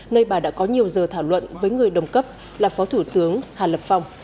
nơi bà đã có nhiều giờ thảo luận với người đồng cấp là phó thủ tướng hà lập phong